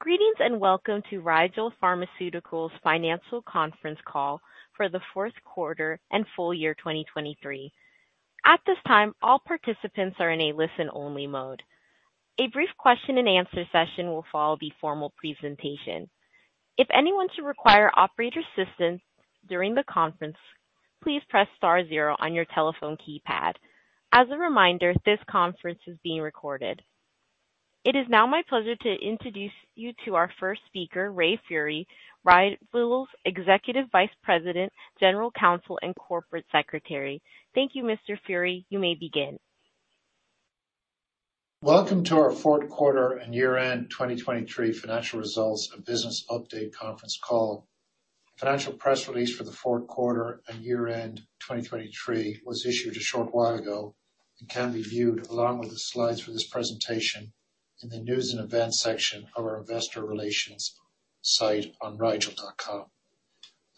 Greetings and welcome to Rigel Pharmaceuticals' Financial Conference Call for the Fourth Quarter and Full Year 2023. At this time, all participants are in a listen-only mode. A brief question-and-answer session will follow the formal presentation. If anyone should require operator assistance during the conference, please press star 0 on your telephone keypad. As a reminder, this conference is being recorded. It is now my pleasure to introduce you to our first speaker, Ray Furey, Rigel's Executive Vice President, General Counsel, and Corporate Secretary. Thank you, Mr. Furey. You may begin. Welcome to our fourth quarter and year-end 2023 financial results and business update conference call. Financial press release for the fourth quarter and year-end 2023 was issued a short while ago and can be viewed along with the slides for this presentation in the news and events section of our investor relations site on rigel.com.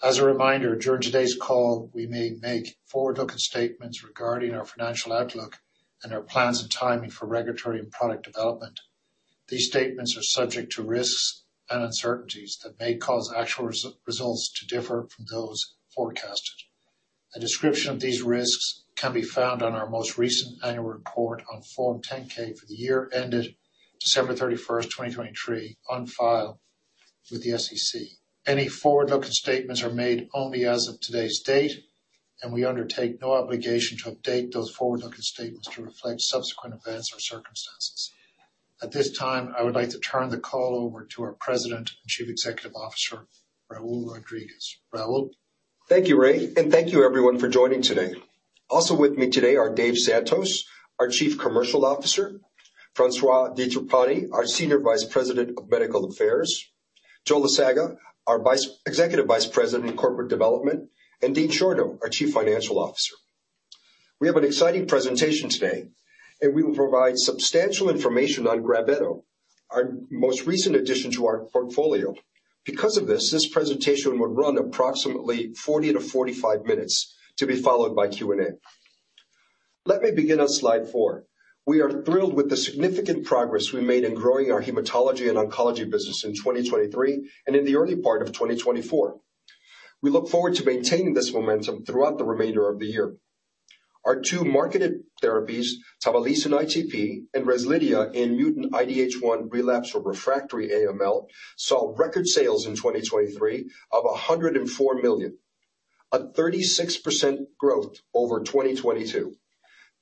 As a reminder, during today's call, we may make forward-looking statements regarding our financial outlook and our plans and timing for regulatory and product development. These statements are subject to risks and uncertainties that may cause actual results to differ from those forecasted. A description of these risks can be found on our most recent annual report on Form 10-K for the year ended December 31st, 2023, on file with the SEC. Any forward-looking statements are made only as of today's date, and we undertake no obligation to update those forward-looking statements to reflect subsequent events or circumstances. At this time, I would like to turn the call over to our President and Chief Executive Officer, Raul Rodriguez. Raul? Thank you, Ray. And thank you, everyone, for joining today. Also with me today are Dave Santos, our Chief Commercial Officer; Francois DiTrapani, our Senior Vice President of Medical Affairs; Joseph Lasaga, our Executive Vice President in Corporate Development; and Dean Schorno, our Chief Financial Officer. We have an exciting presentation today, and we will provide substantial information on GAVRETO, our most recent addition to our portfolio. Because of this, this presentation would run approximately 40-45 minutes to be followed by Q&A. Let me begin on slide 4. We are thrilled with the significant progress we made in growing our hematology and oncology business in 2023 and in the early part of 2024. We look forward to maintaining this momentum throughout the remainder of the year. Our two marketed therapies, TAVALISSE and ITP, and REZLIDHIA in mutant IDH1 relapsed or refractory AML, saw record sales in 2023 of $104 million, a 36% growth over 2022.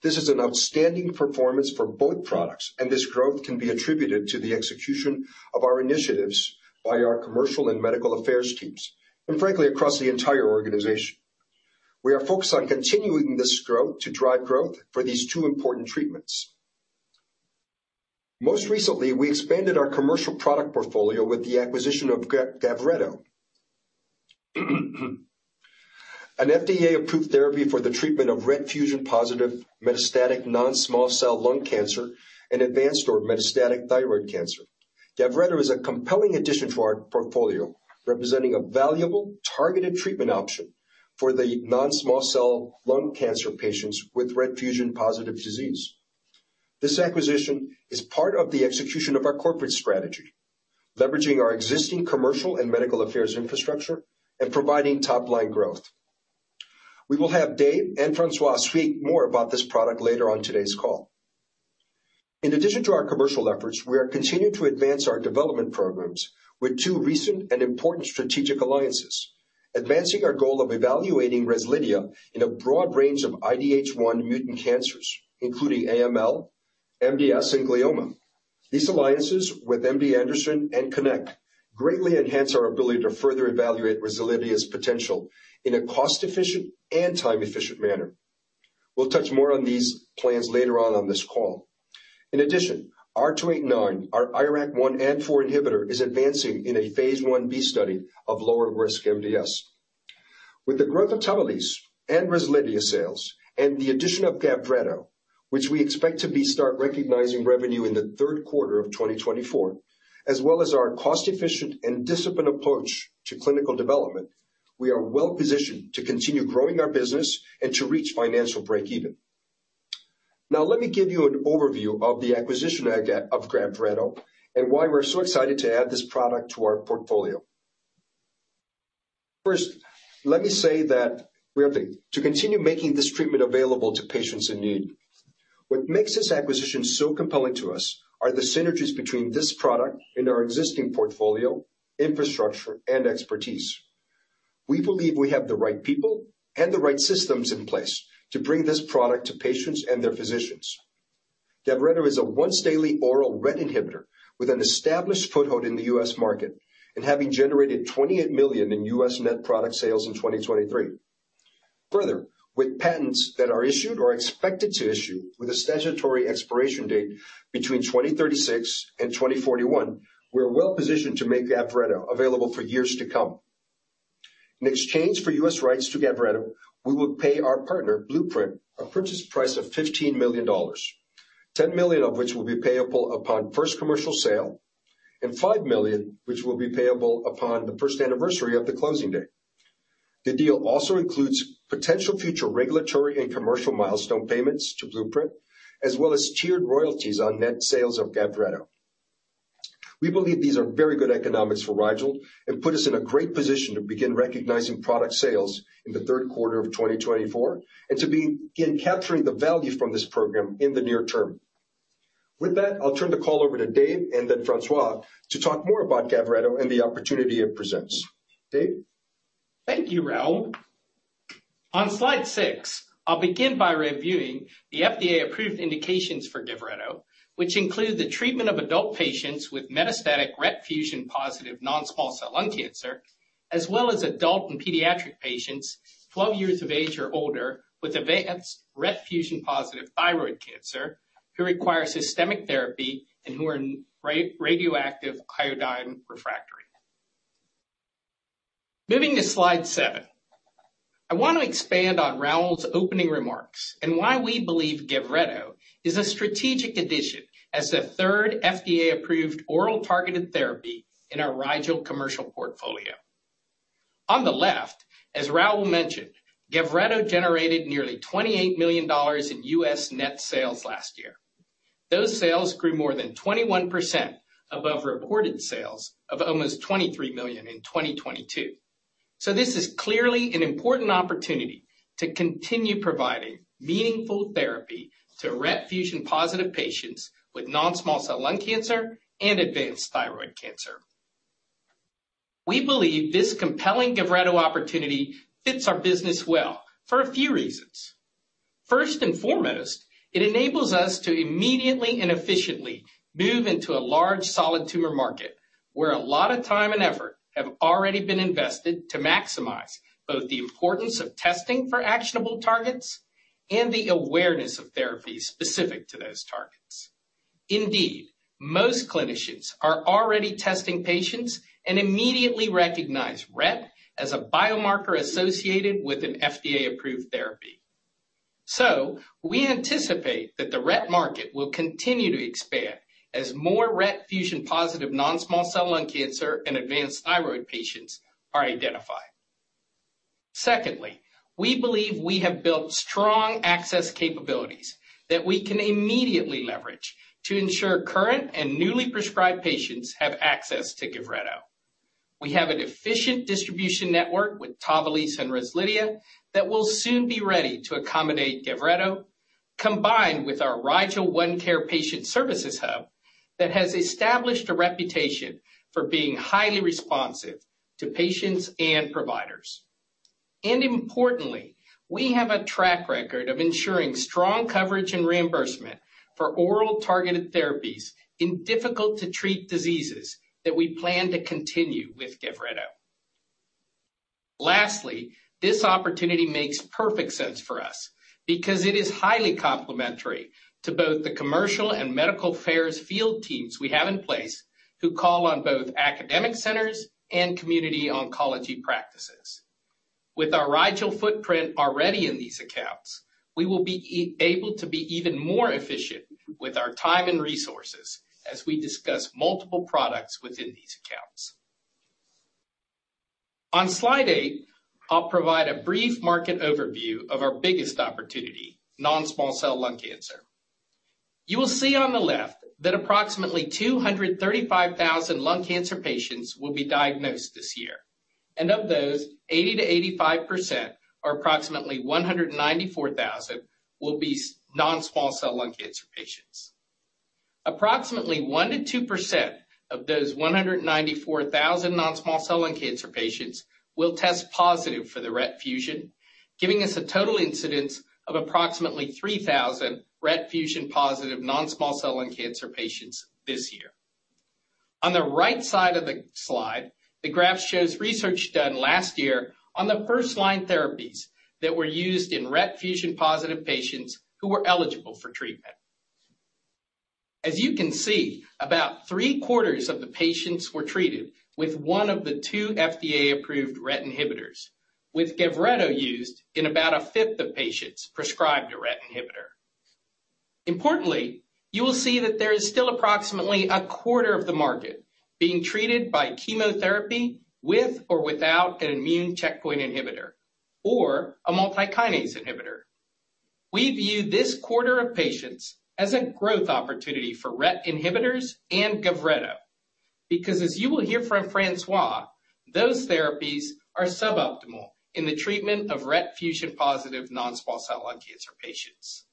This is an outstanding performance for both products, and this growth can be attributed to the execution of our initiatives by our commercial and medical affairs teams, and frankly, across the entire organization. We are focused on continuing this growth to drive growth for these two important treatments. Most recently, we expanded our commercial product portfolio with the acquisition of GAVRETO, an FDA-approved therapy for the treatment of RET-fusion-positive metastatic non-small cell lung cancer and advanced or metastatic thyroid cancer. GAVRETO is a compelling addition to our portfolio, representing a valuable, targeted treatment option for the non-small cell lung cancer patients with RET-fusion-positive disease. This acquisition is part of the execution of our corporate strategy, leveraging our existing commercial and medical affairs infrastructure and providing top-line growth. We will have Dave and Francois speak more about this product later on today's call. In addition to our commercial efforts, we are continuing to advance our development programs with two recent and important strategic alliances, advancing our goal of evaluating REZLIDHIA in a broad range of IDH1 mutant cancers, including AML, MDS, and glioma. These alliances with MD Anderson and CONNECT greatly enhance our ability to further evaluate REZLIDHIA's potential in a cost-efficient and time-efficient manner. We'll touch more on these plans later on on this call. In addition, R289, our IRAK1/4 inhibitor, is advancing in a phase 1b study of lower-risk MDS. With the growth of TAVALISSE and REZLIDHIA sales and the addition of GAVRETO, which we expect to start recognizing revenue in the third quarter of 2024, as well as our cost-efficient and disciplined approach to clinical development, we are well-positioned to continue growing our business and to reach financial break-even. Now, let me give you an overview of the acquisition of GAVRETO and why we're so excited to add this product to our portfolio. First, let me say that we are to continue making this treatment available to patients in need. What makes this acquisition so compelling to us are the synergies between this product and our existing portfolio, infrastructure, and expertise. We believe we have the right people and the right systems in place to bring this product to patients and their physicians. GAVRETO is a once-daily oral RET inhibitor with an established foothold in the U.S. market and having generated $28 million in U.S. net product sales in 2023. Further, with patents that are issued or expected to issue with a statutory expiration date between 2036 and 2041, we are well-positioned to make GAVRETO available for years to come. In exchange for U.S. rights to GAVRETO, we will pay our partner, Blueprint, a purchase price of $15 million, $10 million of which will be payable upon first commercial sale, and $5 million which will be payable upon the first anniversary of the closing day. The deal also includes potential future regulatory and commercial milestone payments to Blueprint, as well as tiered royalties on net sales of GAVRETO. We believe these are very good economics for Rigel and put us in a great position to begin recognizing product sales in the third quarter of 2024 and to begin capturing the value from this program in the near term. With that, I'll turn the call over to Dave and then François to talk more about GAVRETO and the opportunity it presents. Dave? Thank you, Raul. On slide 6, I'll begin by reviewing the FDA-approved indications for GAVRETO, which include the treatment of adult patients with metastatic RET-fusion-positive non-small cell lung cancer, as well as adult and pediatric patients 12 years of age or older with advanced RET-fusion-positive thyroid cancer who require systemic therapy and who are radioactive iodine-refractory. Moving to slide 7, I want to expand on Raul's opening remarks and why we believe GAVRETO is a strategic addition as the third FDA-approved oral targeted therapy in our Rigel commercial portfolio. On the left, as Raul mentioned, GAVRETO generated nearly $28 million in U.S. net sales last year. Those sales grew more than 21% above reported sales of almost $23 million in 2022. So this is clearly an important opportunity to continue providing meaningful therapy to RET-fusion-positive patients with non-small cell lung cancer and advanced thyroid cancer. We believe this compelling GAVRETO opportunity fits our business well for a few reasons. First and foremost, it enables us to immediately and efficiently move into a large solid tumor market where a lot of time and effort have already been invested to maximize both the importance of testing for actionable targets and the awareness of therapies specific to those targets. Indeed, most clinicians are already testing patients and immediately recognize RET as a biomarker associated with an FDA-approved therapy. So we anticipate that the RET market will continue to expand as more RET fusion-positive non-small cell lung cancer and advanced thyroid patients are identified. Secondly, we believe we have built strong access capabilities that we can immediately leverage to ensure current and newly prescribed patients have access to GAVRETO. We have an efficient distribution network with TAVALISSE and REZLIDHIA that will soon be ready to accommodate GAVRETO, combined with our RIGEL ONECARE Patient Services Hub that has established a reputation for being highly responsive to patients and providers. And importantly, we have a track record of ensuring strong coverage and reimbursement for oral targeted therapies in difficult-to-treat diseases that we plan to continue with GAVRETO. Lastly, this opportunity makes perfect sense for us because it is highly complementary to both the commercial and medical affairs field teams we have in place who call on both academic centers and community oncology practices. With our Rigel footprint already in these accounts, we will be able to be even more efficient with our time and resources as we discuss multiple products within these accounts. On slide 8, I'll provide a brief market overview of our biggest opportunity, non-small cell lung cancer. You will see on the left that approximately 235,000 lung cancer patients will be diagnosed this year, and of those, 80%-85%, or approximately 194,000, will be non-small cell lung cancer patients. Approximately 1%-2% of those 194,000 non-small cell lung cancer patients will test positive for the RET-fusion, giving us a total incidence of approximately 3,000 RET-fusion-positive non-small cell lung cancer patients this year. On the right side of the slide, the graph shows research done last year on the first-line therapies that were used in RET-fusion-positive patients who were eligible for treatment. As you can see, about three-quarters of the patients were treated with one of the two FDA-approved RET inhibitors, with GAVRETO used in about a fifth of patients prescribed a RET inhibitor. Importantly, you will see that there is still approximately a quarter of the market being treated by chemotherapy with or without an immune checkpoint inhibitor or a multikinase inhibitor. We view this quarter of patients as a growth opportunity for RET inhibitors and GAVRETO because, as you will hear from Francois, those therapies are suboptimal in the treatment of RET-fusion-positive non-small cell lung cancer patients.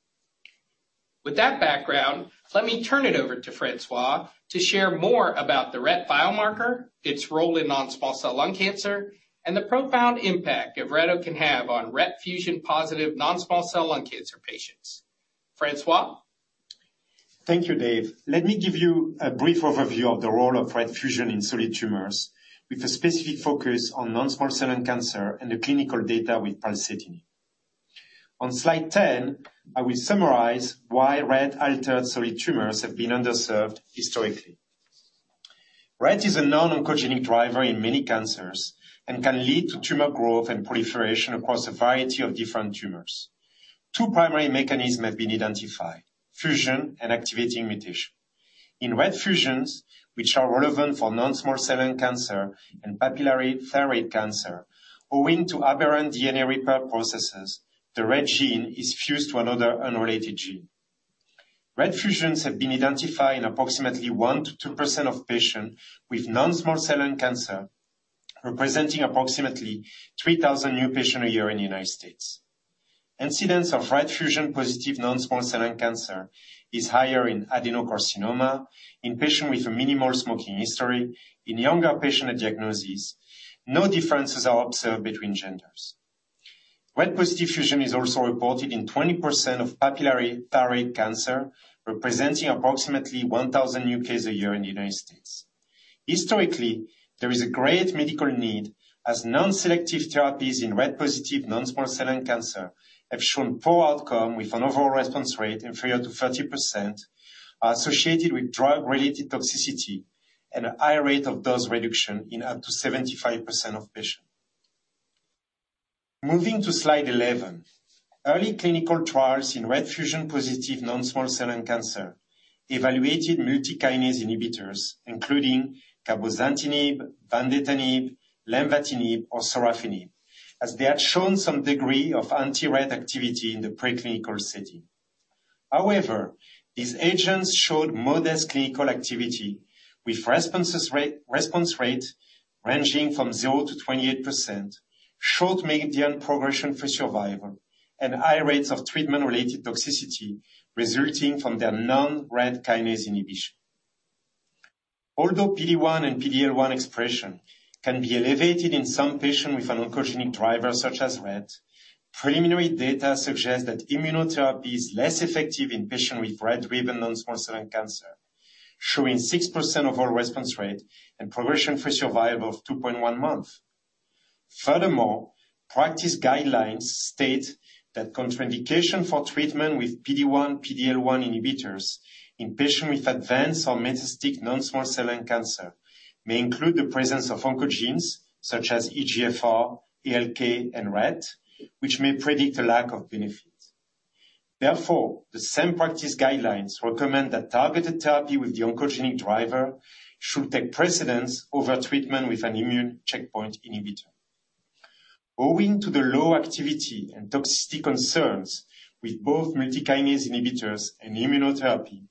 With that background, let me turn it over to François to share more about the RET biomarker, its role in non-small cell lung cancer, and the profound impact GAVRETO can have on RET-fusion-positive non-small cell lung cancer patients. Francois? Thank you, Dave. Let me give you a brief overview of the role of RET fusion in solid tumors, with a specific focus on non-small cell lung cancer and the clinical data with pralsetinib. On slide 10, I will summarize why RET-altered solid tumors have been underserved historically. RET is a non-oncogenic driver in many cancers and can lead to tumor growth and proliferation across a variety of different tumors. Two primary mechanisms have been identified: fusion and activating mutation. In RET fusions, which are relevant for non-small cell lung cancer and papillary thyroid cancer, owing to aberrant DNA repair processes, the RET gene is fused to another unrelated gene. RET fusions have been identified in approximately 1%-2% of patients with non-small cell lung cancer, representing approximately 3,000 new patients a year in the United States. Incidence of RET fusion-positive non-small cell lung cancer is higher in adenocarcinoma, in patients with a minimal smoking history, in younger patients with diagnoses. No differences are observed between genders. RET-positive fusion is also reported in 20% of papillary thyroid cancer, representing approximately 1,000 new cases a year in the United States. Historically, there is a great medical need as non-selective therapies in RET-positive non-small cell lung cancer have shown poor outcomes, with an overall response rate inferior to 30%, associated with drug-related toxicity and a high rate of dose reduction in up to 75% of patients. Moving to slide 11, early clinical trials in RET fusion-positive non-small cell lung cancer evaluated multikinase inhibitors, including cabozantinib, vandetanib, lenvatinib, or sorafenib, as they had shown some degree of anti-RET activity in the preclinical setting. However, these agents showed modest clinical activity, with response rates ranging from 0%-28%, short median progression-free survival, and high rates of treatment-related toxicity resulting from their non-RET kinase inhibition. Although PD-1 and PD-L1 expression can be elevated in some patients with an oncogenic driver such as RET, preliminary data suggests that immunotherapy is less effective in patients with RET-driven non-small cell lung cancer, showing 6% overall response rate and progression-free survival of 2.1 months. Furthermore, practice guidelines state that contraindication for treatment with PD-1, PD-L1 inhibitors in patients with advanced or metastatic non-small cell lung cancer may include the presence of oncogenes such as EGFR, ALK, and RET, which may predict a lack of benefit. Therefore, the same practice guidelines recommend that targeted therapy with the oncogenic driver should take precedence over treatment with an immune checkpoint inhibitor. Owing to the low activity and toxicity concerns with both multikinase inhibitors and immunotherapy,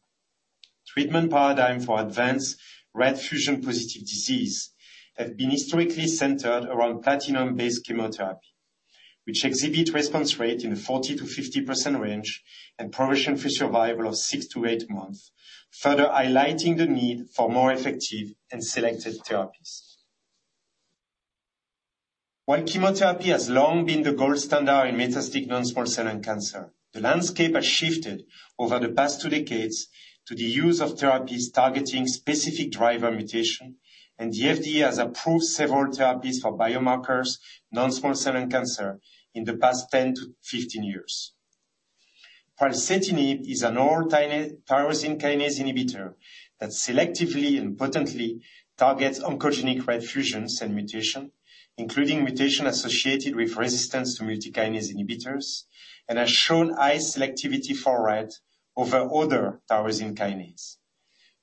treatment paradigms for advanced RET fusion-positive disease have been historically centered around platinum-based chemotherapy, which exhibit response rates in the 40%-50% range and progression-for survival of six-eight months, further highlighting the need for more effective and selected therapies. While chemotherapy has long been the gold standard in metastatic non-small cell lung cancer, the landscape has shifted over the past two decades to the use of therapies targeting specific driver mutations, and the FDA has approved several therapies for biomarkers non-small cell lung cancer in the past 10-15 years. Pralsetinib is an oral tyrosine kinase inhibitor that selectively and potently targets oncogenic RET fusions and mutations, including mutations associated with resistance to multikinase inhibitors, and has shown high selectivity for RET over other tyrosine kinases.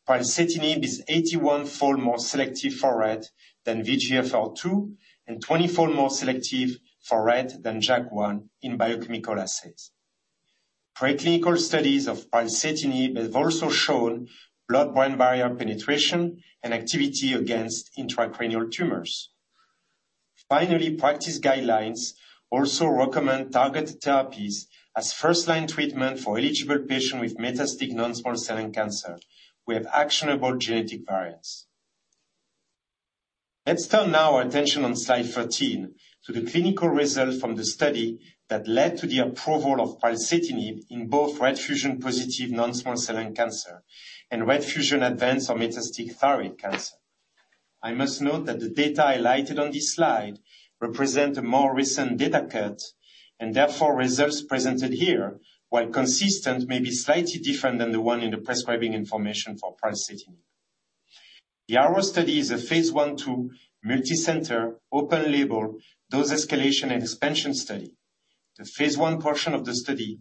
Pralsetinib is 81-fold more selective for RET than VEGFR2 and 20-fold more selective for RET than JAK1 in biochemical assays. Preclinical studies of pralsetinib have also shown blood-brain barrier penetration and activity against intracranial tumors. Finally, practice guidelines also recommend targeted therapies as first-line treatment for eligible patients with metastatic non-small cell lung cancer who have actionable genetic variants. Let's turn now our attention on slide 13 to the clinical results from the study that led to the approval of pralsetinib in both RET fusion-positive non-small cell lung cancer and RET fusion-advanced or metastatic thyroid cancer. I must note that the data highlighted on this slide represent a more recent data cut, and therefore results presented here, while consistent, may be slightly different than the one in the prescribing information for pralsetinib. The ARROW study is a phase 1/2 multicenter, open-label, dose escalation and expansion study. The phase I portion of the study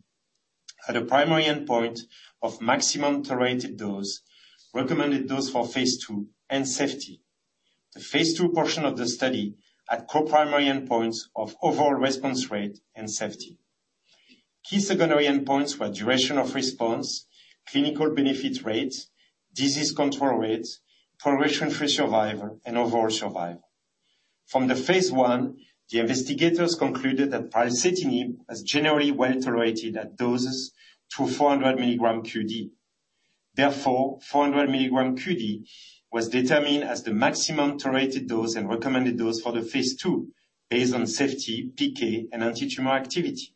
had a primary endpoint of maximum tolerated dose, recommended dose for phase II, and safety. The phase II portion of the study had co-primary endpoints of overall response rate and safety. Key secondary endpoints were duration of response, clinical benefit rates, disease control rates, progression-free survival, and overall survival. From the phase I, the investigators concluded that pralsetinib was generally well tolerated at doses to 400 milligrams qd. Therefore, 400 milligrams qd was determined as the maximum tolerated dose and recommended dose for the phase II based on safety, PK, and antitumor activity.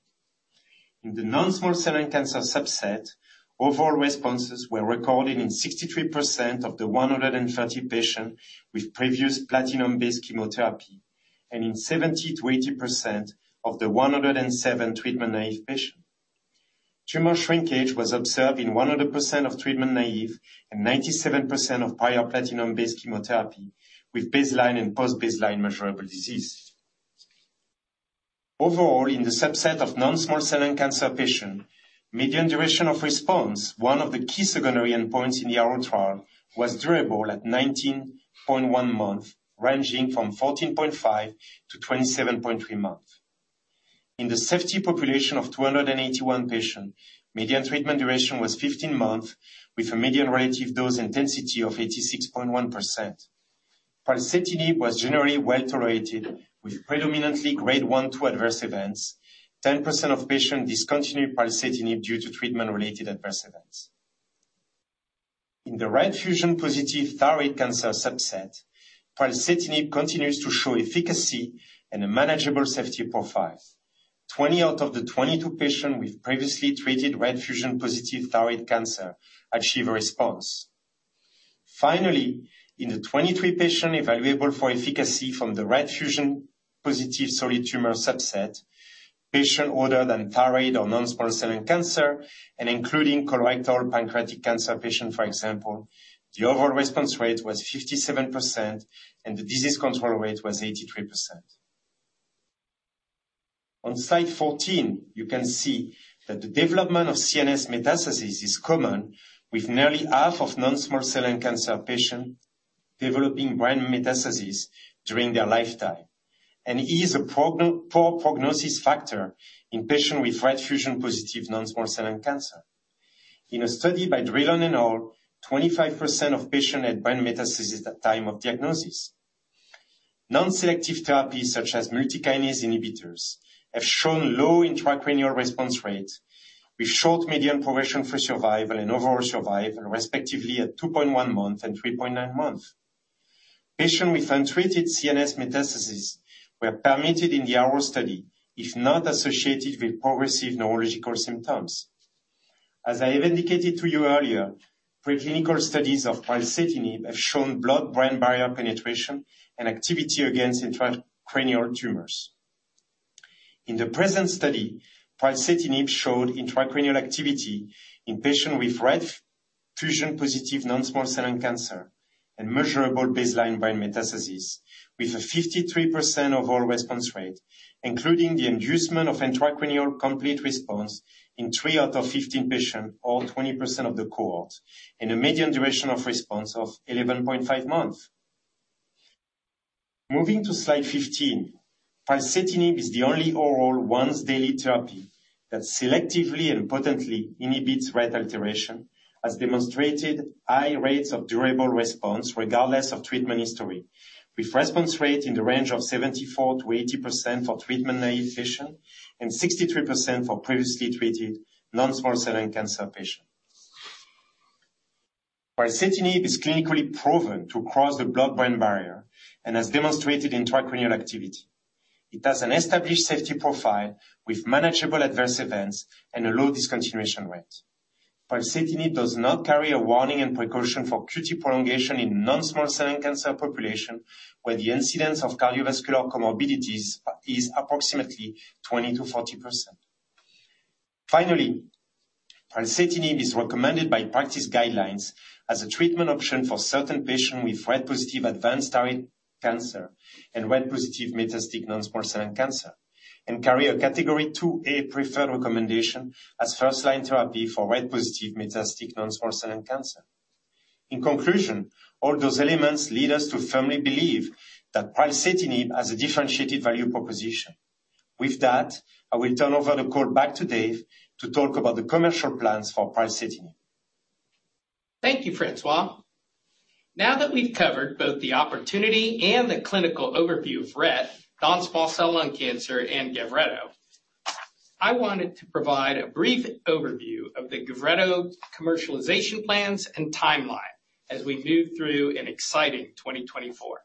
In the non-small cell lung cancer subset, overall responses were recorded in 63% of the 130 patients with previous platinum-based chemotherapy and in 70%-80% of the 107 treatment-naive patients. Tumor shrinkage was observed in 100% of treatment-naive and 97% of prior platinum-based chemotherapy, with baseline and post-baseline measurable disease. Overall, in the subset of non-small cell lung cancer patients, median duration of response, one of the key secondary endpoints in the ARROW trial, was durable at 19.1 months, ranging from 14.5-27.3 months. In the safety population of 281 patients, median treatment duration was 15 months, with a median relative dose intensity of 86.1%. Pralsetinib was generally well tolerated, with predominantly Grade 1-2 adverse events. 10% of patients discontinued pralsetinib due to treatment-related adverse events. In the RET fusion-positive thyroid cancer subset, pralsetinib continues to show efficacy and a manageable safety profile. 20 out of the 22 patients with previously treated RET fusion-positive thyroid cancer achieve a response. Finally, in the 23 patients evaluable for efficacy from the RET fusion-positive solid tumor subset, patients other than thyroid or non-small cell lung cancer, and including colorectal pancreatic cancer patients, for example, the overall response rate was 57%, and the disease control rate was 83%. On slide 14, you can see that the development of CNS metastasis is common, with nearly half of non-small cell lung cancer patients developing brain metastasis during their lifetime, and is a poor prognosis factor in patients with RET fusion-positive non-small cell lung cancer. In a study by Drillon et al., 25% of patients had brain metastasis at the time of diagnosis. Non-selective therapies such as multikinase inhibitors have shown low intracranial response rates, with short median progression-free survival and overall survival, respectively, at 2.1 month and 3.9 months. Patients with untreated CNS metastasis were permitted in the ARROW study if not associated with progressive neurological symptoms. As I have indicated to you earlier, preclinical studies of pralsetinib have shown blood-brain barrier penetration and activity against intracranial tumors. In the present study, pralsetinib showed intracranial activity in patients with RET fusion-positive non-small cell lung cancer and measurable baseline brain metastasis, with a 53% overall response rate, including the inducement of intracranial complete response in 3 out of 15 patients or 20% of the cohort, and a median duration of response of 11.5 months. Moving to slide 15, pralsetinib is the only oral once-daily therapy that selectively and potently inhibits RET alteration, as demonstrated high rates of durable response regardless of treatment history, with response rates in the range of 74%-80% for treatment-naive patients and 63% for previously treated non-small cell lung cancer patients. Pralsetinib is clinically proven to cross the blood-brain barrier and has demonstrated intracranial activity. It has an established safety profile with manageable adverse events and a low discontinuation rate. Pralsetinib does not carry a warning and precaution for QT prolongation in non-small cell lung cancer populations, where the incidence of cardiovascular comorbidities is approximately 20%-40%. Finally, pralsetinib is recommended by practice guidelines as a treatment option for certain patients with RET-positive advanced thyroid cancer and RET-positive metastatic non-small cell lung cancer, and carries a Category 2A preferred recommendation as first-line therapy for RET-positive metastatic non-small cell lung cancer. In conclusion, all those elements lead us to firmly believe that pralsetinib has a differentiated value proposition. With that, I will turn over the call back to Dave to talk about the commercial plans for pralsetinib. Thank you, Francois. Now that we've covered both the opportunity and the clinical overview of RET, non-small cell lung cancer, and GAVRETO, I wanted to provide a brief overview of the GAVRETO commercialization plans and timeline as we move through an exciting 2024.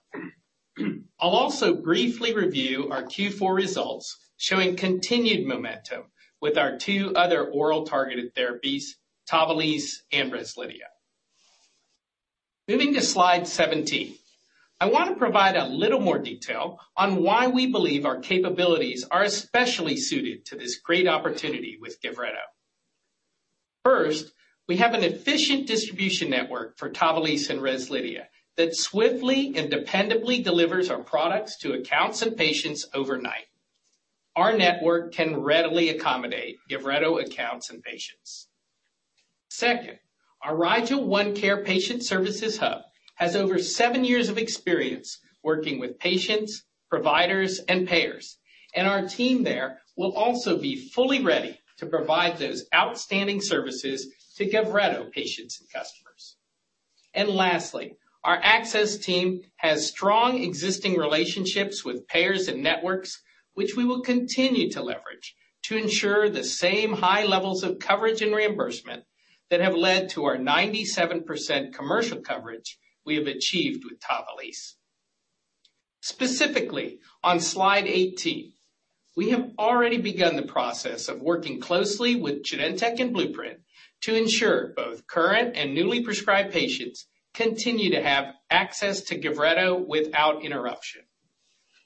I'll also briefly review our Q4 results showing continued momentum with our two other oral targeted therapies, TAVALISSE and REZLIDHIA. Moving to slide 17, I want to provide a little more detail on why we believe our capabilities are especially suited to this great opportunity with GAVRETO. First, we have an efficient distribution network for TAVALISSE and REZLIDHIA that swiftly and dependably delivers our products to accounts and patients overnight. Our network can readily accommodate GAVRETO accounts and patients. Second, our RIGEL ONECARE Patient Services Hub has over seven years of experience working with patients, providers, and payers, and our team there will also be fully ready to provide those outstanding services to GAVRETO patients and customers. Lastly, our access team has strong existing relationships with payers and networks, which we will continue to leverage to ensure the same high levels of coverage and reimbursement that have led to our 97% commercial coverage we have achieved with TAVALISSE. Specifically, on slide 18, we have already begun the process of working closely with Genentech and Blueprint Medicines to ensure both current and newly prescribed patients continue to have access to GAVRETO without interruption.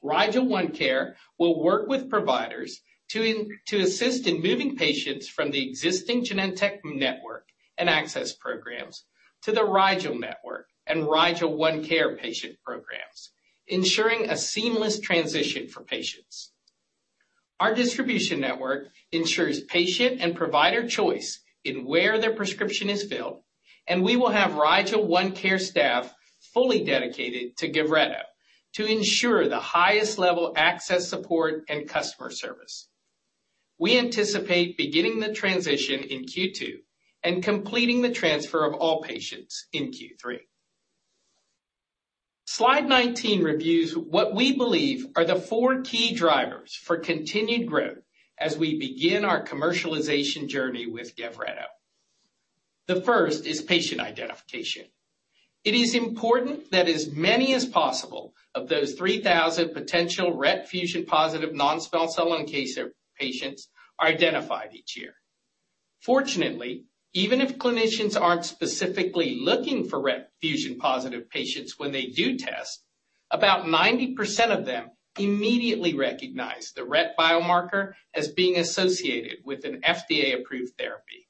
RIGEL ONECARE will work with providers to assist in moving patients from the existing Genentech network and access programs to the Rigel network and RIGEL ONECARE patient programs, ensuring a seamless transition for patients. Our distribution network ensures patient and provider choice in where their prescription is filled, and we will have RIGEL ONECARE staff fully dedicated to GAVRETO to ensure the highest level access support and customer service. We anticipate beginning the transition in Q2 and completing the transfer of all patients in Q3. Slide 19 reviews what we believe are the four key drivers for continued growth as we begin our commercialization journey with GAVRETO. The first is patient identification. It is important that as many as possible of those 3,000 potential RET fusion-positive non-small cell lung cancer patients are identified each year. Fortunately, even if clinicians aren't specifically looking for RET fusion-positive patients when they do test, about 90% of them immediately recognize the RET biomarker as being associated with an FDA-approved therapy.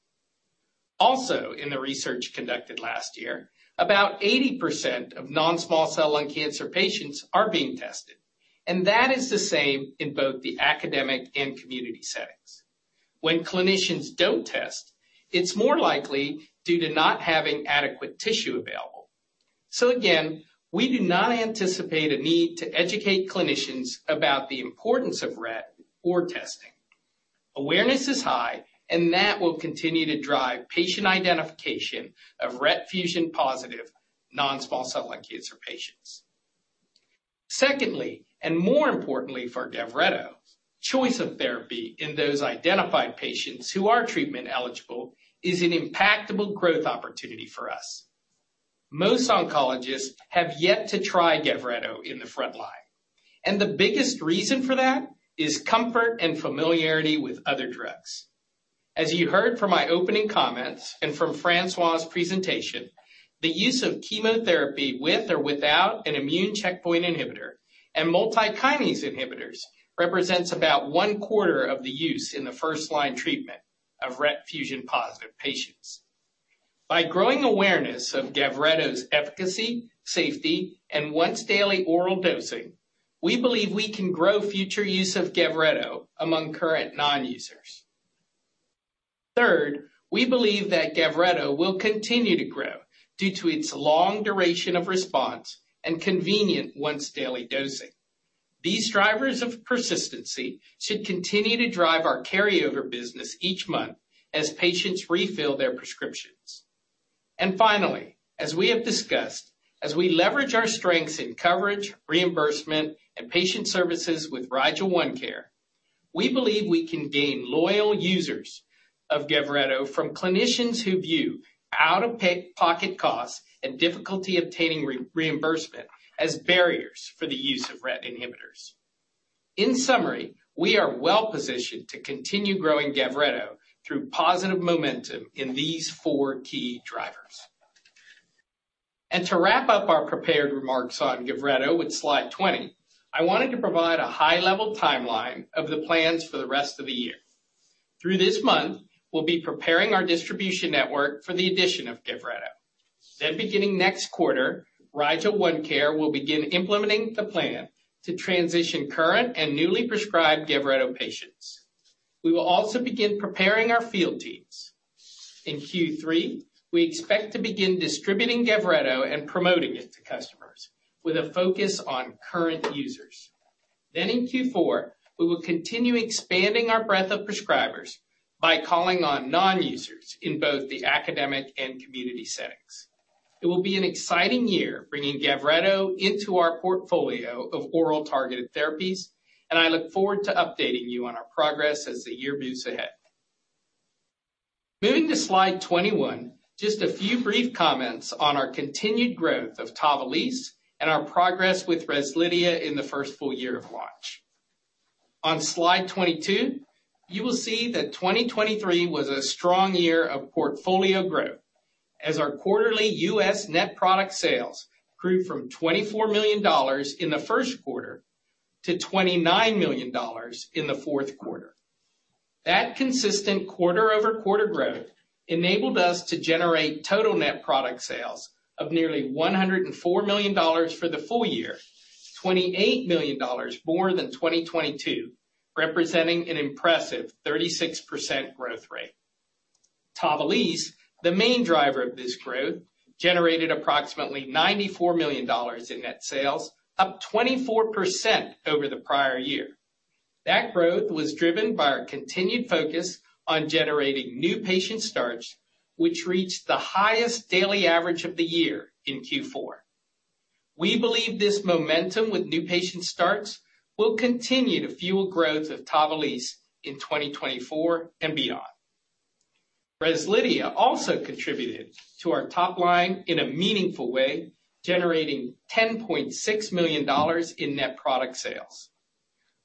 Also, in the research conducted last year, about 80% of non-small cell lung cancer patients are being tested, and that is the same in both the academic and community settings. When clinicians don't test, it's more likely due to not having adequate tissue available. So again, we do not anticipate a need to educate clinicians about the importance of RET or testing. Awareness is high, and that will continue to drive patient identification of RET fusion-positive non-small cell lung cancer patients. Secondly, and more importantly for GAVRETO, choice of therapy in those identified patients who are treatment eligible is an impactable growth opportunity for us. Most oncologists have yet to try GAVRETO in the front line, and the biggest reason for that is comfort and familiarity with other drugs. As you heard from my opening comments and from Francois's presentation, the use of chemotherapy with or without an immune checkpoint inhibitor and multikinase inhibitors represents about one-quarter of the use in the first-line treatment of RET-fusion-positive patients. By growing awareness of GAVRETO's efficacy, safety, and once-daily oral dosing, we believe we can grow future use of GAVRETO among current non-users. Third, we believe that GAVRETO will continue to grow due to its long duration of response and convenient once-daily dosing. These drivers of persistency should continue to drive our carryover business each month as patients refill their prescriptions. Finally, as we have discussed, as we leverage our strengths in coverage, reimbursement, and patient services with RIGEL ONECARE, we believe we can gain loyal users of GAVRETO from clinicians who view out-of-pocket costs and difficulty obtaining reimbursement as barriers for the use of RET inhibitors. In summary, we are well positioned to continue growing GAVRETO through positive momentum in these four key drivers. To wrap up our prepared remarks on GAVRETO with slide 20, I wanted to provide a high-level timeline of the plans for the rest of the year. Through this month, we'll be preparing our distribution network for the addition of GAVRETO. Then beginning next quarter, RIGEL ONECARE will begin implementing the plan to transition current and newly prescribed GAVRETO patients. We will also begin preparing our field teams. In Q3, we expect to begin distributing GAVRETO and promoting it to customers with a focus on current users. Then in Q4, we will continue expanding our breadth of prescribers by calling on non-users in both the academic and community settings. It will be an exciting year bringing GAVRETO into our portfolio of oral targeted therapies, and I look forward to updating you on our progress as the year moves ahead. Moving to slide 21, just a few brief comments on our continued growth of TAVALISSE and our progress with REZLIDHIA in the first full year of launch. On slide 22, you will see that 2023 was a strong year of portfolio growth as our quarterly U.S. net product sales grew from $24 million in the first quarter to $29 million in the fourth quarter. That consistent quarter-over-quarter growth enabled us to generate total net product sales of nearly $104 million for the full year, $28 million more than 2022, representing an impressive 36% growth rate. TAVALISSE, the main driver of this growth, generated approximately $94 million in net sales, up 24% over the prior year. That growth was driven by our continued focus on generating new patient starts, which reached the highest daily average of the year in Q4. We believe this momentum with new patient starts will continue to fuel growth of TAVALISSE in 2024 and beyond. REZLIDHIA also contributed to our top line in a meaningful way, generating $10.6 million in net product sales.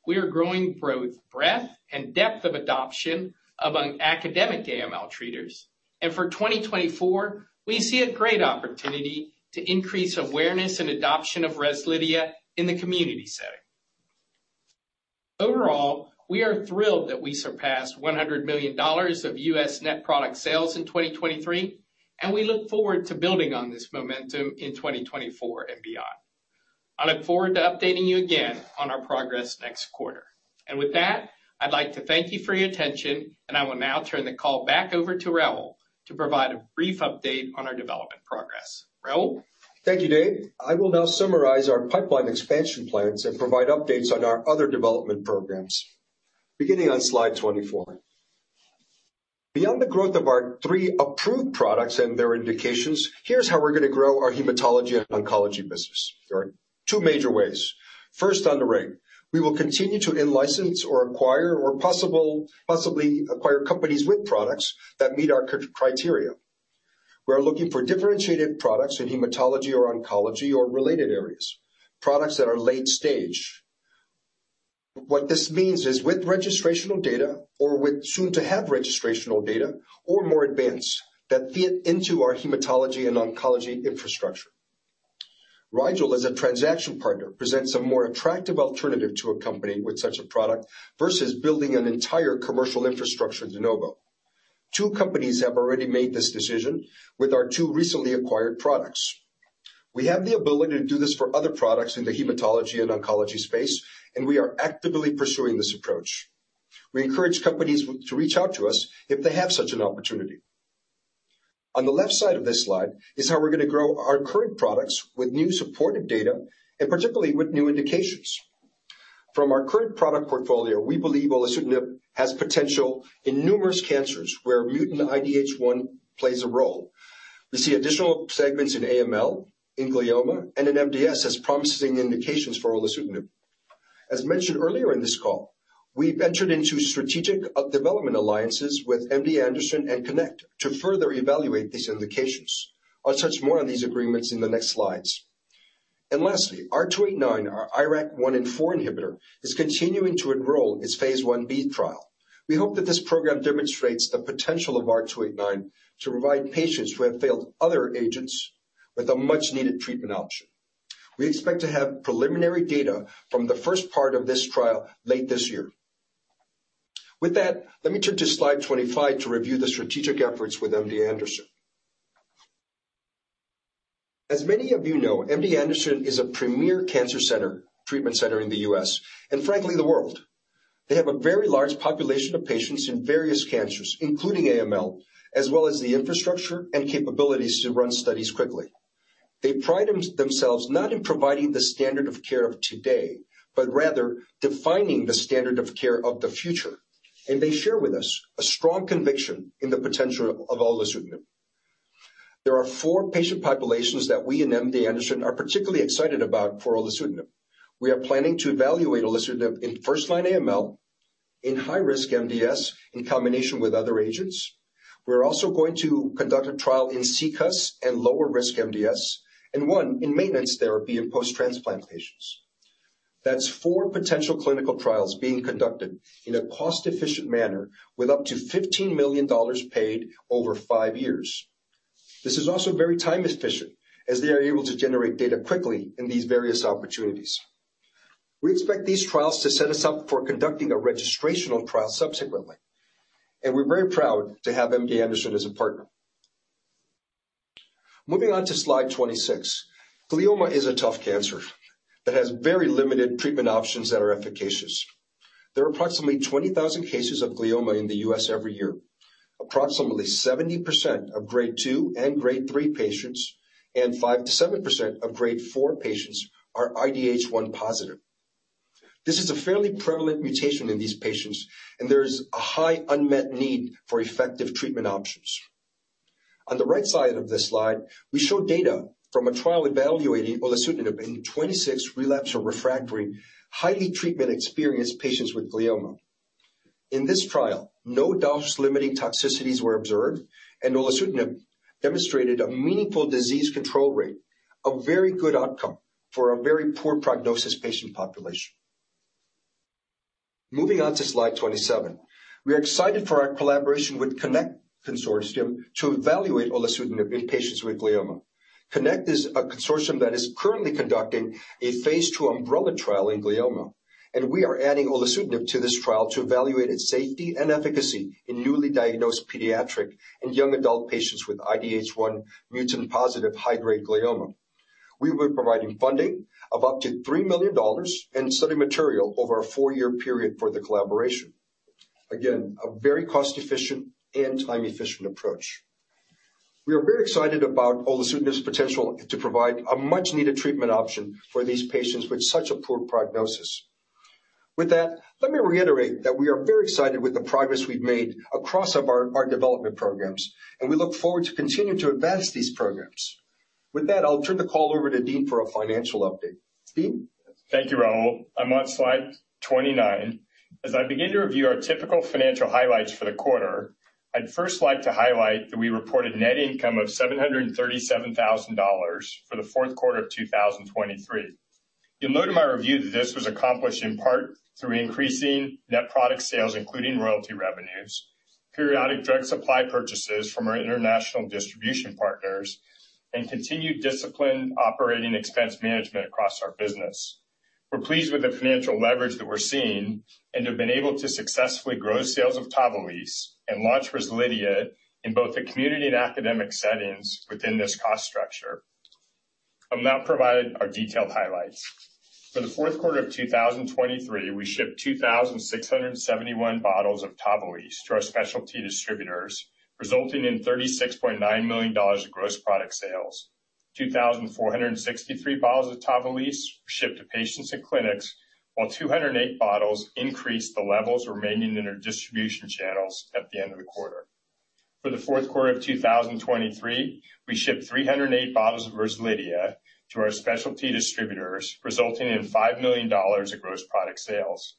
We are growing both breadth and depth of adoption among academic AML treaters, and for 2024, we see a great opportunity to increase awareness and adoption of REZLIDHIA in the community setting. Overall, we are thrilled that we surpassed $100 million of U.S. net product sales in 2023, and we look forward to building on this momentum in 2024 and beyond. I look forward to updating you again on our progress next quarter. With that, I'd like to thank you for your attention, and I will now turn the call back over to Raul to provide a brief update on our development progress. Raul? Thank you, Dave. I will now summarize our pipeline expansion plans and provide updates on our other development programs, beginning on slide 24. Beyond the growth of our three approved products and their indications, here's how we're going to grow our hematology and oncology business. There are two major ways. First, on the rate, we will continue to in-license or acquire or possibly acquire companies with products that meet our criteria. We are looking for differentiated products in hematology or oncology or related areas, products that are late-stage. What this means is with registrational data or with soon-to-have registrational data or more advanced that fit into our hematology and oncology infrastructure. Rigel, as a transaction partner, presents a more attractive alternative to a company with such a product versus building an entire commercial infrastructure de novo. Two companies have already made this decision with our two recently acquired products. We have the ability to do this for other products in the hematology and oncology space, and we are actively pursuing this approach. We encourage companies to reach out to us if they have such an opportunity. On the left side of this slide is how we're going to grow our current products with new supportive data and particularly with new indications. From our current product portfolio, we believe olutasidenib has potential in numerous cancers where mutant IDH1 plays a role. We see additional segments in AML, in glioma, and in MDS as promising indications for olutasidenib. As mentioned earlier in this call, we've entered into strategic development alliances with MD Anderson and CONNECT to further evaluate these indications. I'll touch more on these agreements in the next slides. And lastly, R289, our IRAK1/4 inhibitor, is continuing to enroll its phase 1b trial. We hope that this program demonstrates the potential of R289 to provide patients who have failed other agents with a much-needed treatment option. We expect to have preliminary data from the first part of this trial late this year. With that, let me turn to slide 25 to review the strategic efforts with MD Anderson. As many of you know, MD Anderson is a premier cancer center, treatment center in the U.S. and, frankly, the world. They have a very large population of patients in various cancers, including AML, as well as the infrastructure and capabilities to run studies quickly. They pride themselves not in providing the standard of care of today, but rather defining the standard of care of the future, and they share with us a strong conviction in the potential of olutasidenib. There are four patient populations that we in MD Anderson are particularly excited about for olutasidenib. We are planning to evaluate olutasidenib in first-line AML, in high-risk MDS in combination with other agents. We're also going to conduct a trial in CCUS and lower-risk MDS, and one in maintenance therapy in post-transplant patients. That's four potential clinical trials being conducted in a cost-efficient manner with up to $15 million paid over five years. This is also very time-efficient as they are able to generate data quickly in these various opportunities. We expect these trials to set us up for conducting a registrational trial subsequently, and we're very proud to have MD Anderson as a partner. Moving on to slide 26, glioma is a tough cancer that has very limited treatment options that are efficacious. There are approximately 20,000 cases of glioma in the U.S. every year. Approximately 70% of Grade 2 and Grade 3 patients and 5%-7% of Grade 4 patients are IDH1 positive. This is a fairly prevalent mutation in these patients, and there is a high unmet need for effective treatment options. On the right side of this slide, we show data from a trial evaluating olutasidenib in 26 relapsed or refractory, highly treatment-experienced patients with glioma. In this trial, no dose-limiting toxicities were observed, and olutasidenib demonstrated a meaningful disease control rate, a very good outcome for a very poor prognosis patient population. Moving on to slide 27, we are excited for our collaboration with CONNECT Consortium to evaluate olutasidenib in patients with glioma. CONNECT is a consortium that is currently conducting a phase II umbrella trial in glioma, and we are adding olutasidenib to this trial to evaluate its safety and efficacy in newly diagnosed pediatric and young adult patients with IDH1 mutant-positive high-grade glioma. We will be providing funding of up to $3 million and study material over a four-year period for the collaboration. Again, a very cost-efficient and time-efficient approach. We are very excited about olutasidenib's potential to provide a much-needed treatment option for these patients with such a poor prognosis. With that, let me reiterate that we are very excited with the progress we've made across our development programs, and we look forward to continuing to advance these programs. With that, I'll turn the call over to Dean for a financial update. Dean? Thank you, Raul. I'm on slide 29. As I begin to review our typical financial highlights for the quarter, I'd first like to highlight that we reported net income of $737,000 for the fourth quarter of 2023. You'll note in my review that this was accomplished in part through increasing net product sales, including royalty revenues, periodic drug supply purchases from our international distribution partners, and continued disciplined operating expense management across our business. We're pleased with the financial leverage that we're seeing and have been able to successfully grow sales of TAVALISSE and launch REZLIDHIA in both the community and academic settings within this cost structure. I'll now provide our detailed highlights. For the fourth quarter of 2023, we shipped 2,671 bottles of TAVALISSE to our specialty distributors, resulting in $36.9 million of gross product sales. 2,463 bottles of TAVALISSE were shipped to patients and clinics, while 208 bottles increased the levels remaining in our distribution channels at the end of the quarter. For the fourth quarter of 2023, we shipped 308 bottles of REZLIDHIA to our specialty distributors, resulting in $5 million of gross product sales.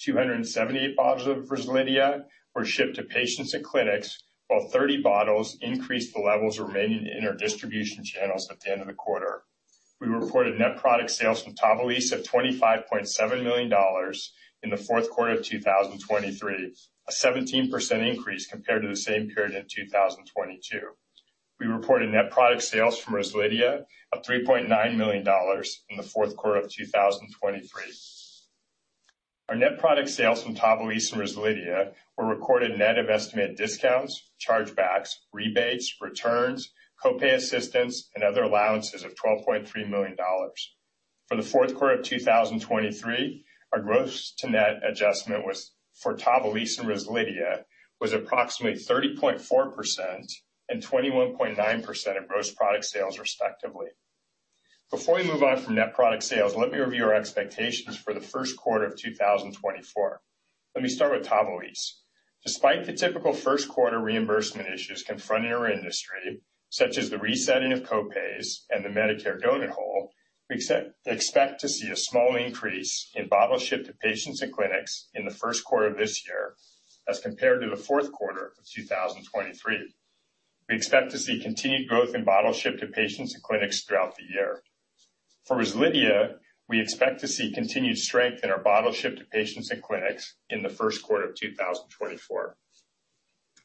278 bottles of REZLIDHIA were shipped to patients and clinics, while 30 bottles increased the levels remaining in our distribution channels at the end of the quarter. We reported net product sales from TAVALISSE of $25.7 million in the fourth quarter of 2023, a 17% increase compared to the same period in 2022. We reported net product sales from REZLIDHIA of $3.9 million in the fourth quarter of 2023. Our net product sales from TAVALISSE and REZLIDHIA were recorded net of estimated discounts, chargebacks, rebates, returns, copay assistance, and other allowances of $12.3 million. For the fourth quarter of 2023, our gross-to-net adjustment for TAVALISSE and REZLIDHIA was approximately 30.4% and 21.9% of gross product sales, respectively. Before we move on from net product sales, let me review our expectations for the first quarter of 2024. Let me start with TAVALISSE. Despite the typical first-quarter reimbursement issues confronting our industry, such as the resetting of copays and the Medicare donut hole, we expect to see a small increase in bottle shipped to patients and clinics in the first quarter of this year as compared to the fourth quarter of 2023. We expect to see continued growth in bottle shipped to patients and clinics throughout the year. For REZLIDHIA, we expect to see continued strength in our bottle shipped to patients and clinics in the first quarter of 2024.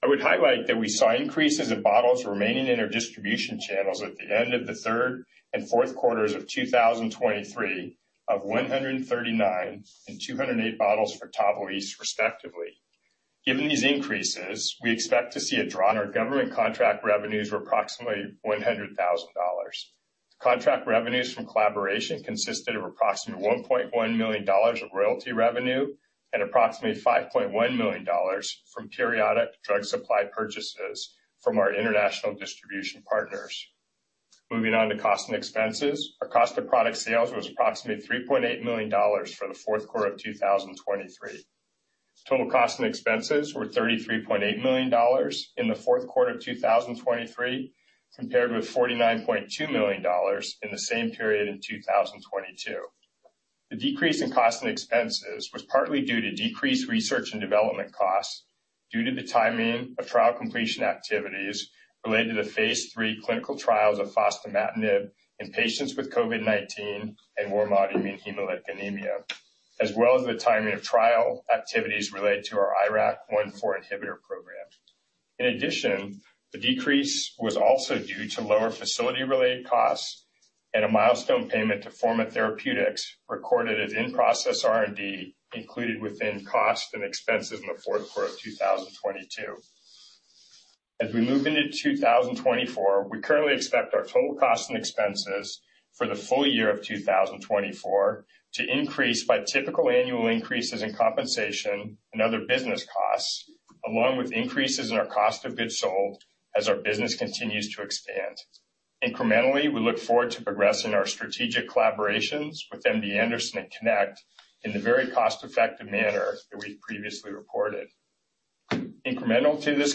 I would highlight that we saw increases in bottles remaining in our distribution channels at the end of the third and fourth quarters of 2023 of 139 and 208 bottles for TAVALISSE, respectively. Given these increases, we expect to see a drop in our government contract revenues of approximately $100,000. Contract revenues from collaboration consisted of approximately $1.1 million of royalty revenue and approximately $5.1 million from periodic drug supply purchases from our international distribution partners. Moving on to cost and expenses, our cost of product sales was approximately $3.8 million for the fourth quarter of 2023. Total cost and expenses were $33.8 million in the fourth quarter of 2023 compared with $49.2 million in the same period in 2022. The decrease in cost and expenses was partly due to decreased research and development costs due to the timing of trial completion activities related to the phase III clinical trials of fostamatinib in patients with COVID-19 and warm autoimmune hemolytic anemia, as well as the timing of trial activities related to our IRAK1/4 inhibitor program. In addition, the decrease was also due to lower facility-related costs and a milestone payment to Forma Therapeutics recorded as in-process R&D included within cost and expenses in the fourth quarter of 2022. As we move into 2024, we currently expect our total cost and expenses for the full year of 2024 to increase by typical annual increases in compensation and other business costs, along with increases in our cost of goods sold as our business continues to expand. Incrementally, we look forward to progressing our strategic collaborations with MD Anderson and CONNECT in the very cost-effective manner that we've previously reported. Incremental to these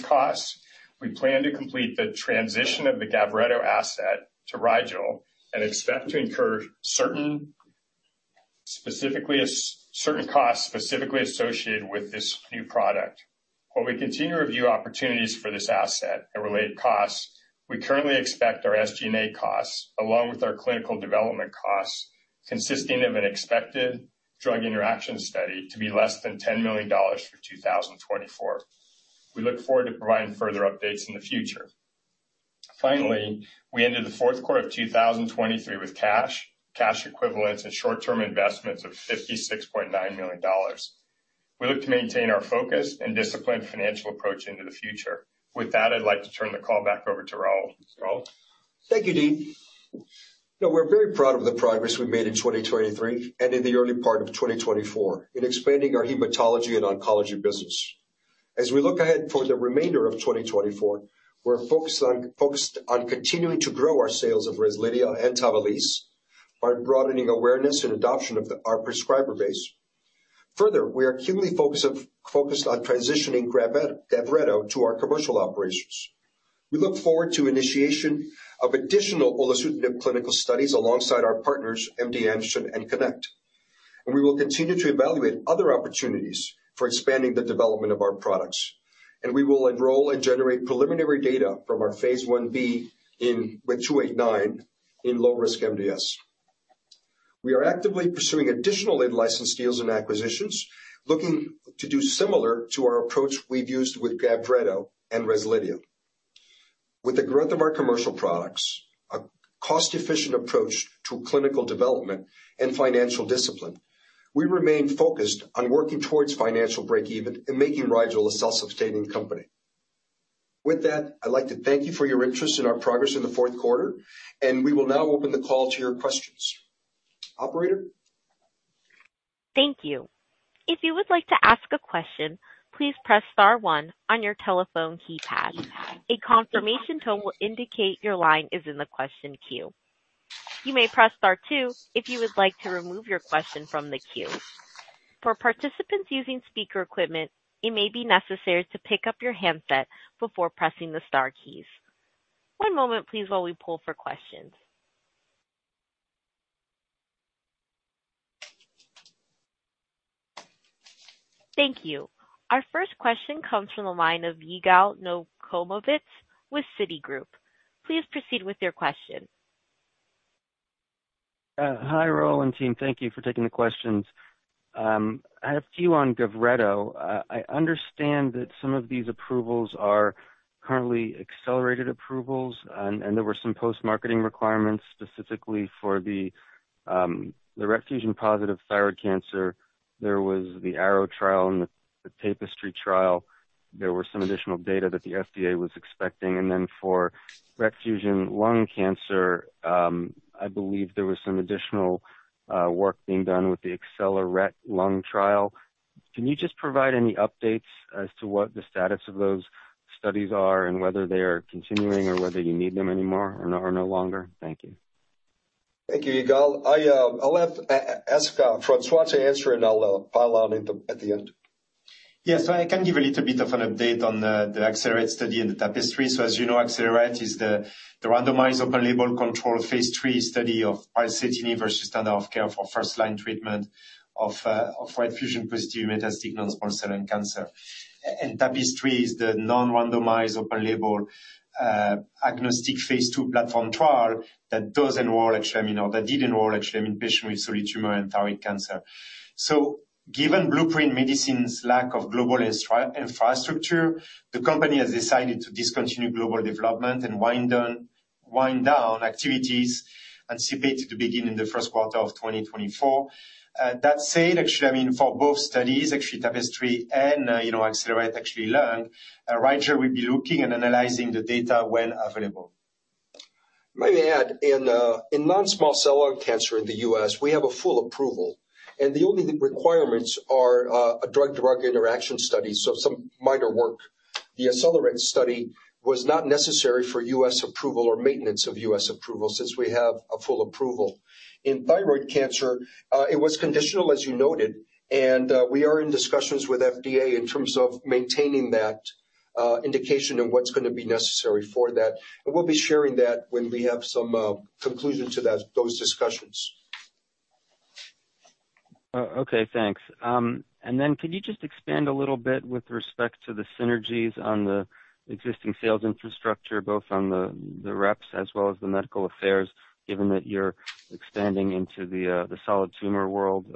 costs, we plan to complete the transition of the GAVRETO asset to Rigel and expect to incur certain costs specifically associated with this new product. While we continue to review opportunities for this asset and related costs, we currently expect our SG&A costs, along with our clinical development costs consisting of an expected drug interaction study, to be less than $10 million for 2024. We look forward to providing further updates in the future. Finally, we enter the fourth quarter of 2023 with cash, cash equivalents, and short-term investments of $56.9 million. We look to maintain our focused and disciplined financial approach into the future. With that, I'd like to turn the call back over to Raul. Raul? Thank you, Dean. We're very proud of the progress we made in 2023 and in the early part of 2024 in expanding our hematology and oncology business. As we look ahead for the remainder of 2024, we're focused on continuing to grow our sales of REZLIDHIA and TAVALISSE by broadening awareness and adoption of our prescriber base. Further, we are keenly focused on transitioning GAVRETO to our commercial operations. We look forward to initiation of additional olutasidenib clinical studies alongside our partners, MD Anderson and CONNECT, and we will continue to evaluate other opportunities for expanding the development of our products, and we will enroll and generate preliminary data from our phase 1b with R289 in low-risk MDS. We are actively pursuing additional license deals and acquisitions, looking to do similar to our approach we've used with GAVRETO and REZLIDHIA. With the growth of our commercial products, a cost-efficient approach to clinical development, and financial discipline, we remain focused on working towards financial break-even and making Rigel a self-sustaining company. With that, I'd like to thank you for your interest in our progress in the fourth quarter, and we will now open the call to your questions. Operator? Thank you. If you would like to ask a question, please press star 1 on your telephone keypad. A confirmation tone will indicate your line is in the question queue. You may press star 2 if you would like to remove your question from the queue. For participants using speaker equipment, it may be necessary to pick up your handset before pressing the star keys. One moment, please, while we pull for questions. Thank you. Our first question comes from the line of Yigal Nochomovitz with Citigroup. Please proceed with your question. Hi, Raul and Dean. Thank you for taking the questions. I have two on GAVRETO. I understand that some of these approvals are currently accelerated approvals, and there were some post-marketing requirements specifically for the RET-fusion-positive thyroid cancer. There was the ARROW trial and the TAPISTRY trial. There were some additional data that the FDA was expecting. And then for RET-fusion lung cancer, I believe there was some additional work being done with the AcceleRET Lung trial. Can you just provide any updates as to what the status of those studies are and whether they are continuing or whether you need them anymore or no longer? Thank you. Thank you, Yigal. I'll ask Francois to answer, and I'll pile on at the end. Yes. So I can give a little bit of an update on the AcceleRET study and the TAPESTRY. So as you know, AcceleRET is the randomized open-label controlled phase III study of pralsetinib versus standard of care for first-line treatment of RET fusion-positive metastatic non-small cell lung cancer. And TAPISTRY is the non-randomized open-label agnostic phase II platform trial that does enroll, actually I mean, or that did enroll, actually, I mean, patients with solid tumors and thyroid cancer. So given Blueprint Medicines' lack of global infrastructure, the company has decided to discontinue global development and wind down activities anticipated to begin in the first quarter of 2024. That said, actually, I mean, for both studies, actually, TAPISTRY and AcceleRET, actually, Lung, Rigel will be looking and analyzing the data when available. Let me add. In non-small cell lung cancer in the U.S., we have a full approval, and the only requirements are a drug-to-drug interaction study, so some minor work. The AcceleRET study was not necessary for U.S. approval or maintenance of U.S. approval since we have a full approval. In thyroid cancer, it was conditional, as you noted, and we are in discussions with the FDA in terms of maintaining that indication and what's going to be necessary for that. We'll be sharing that when we have some conclusion to those discussions. Okay. Thanks. And then could you just expand a little bit with respect to the synergies on the existing sales infrastructure, both on the reps as well as the medical affairs, given that you're expanding into the solid tumor world